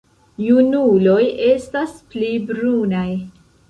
Junuloj estas pli brunaj.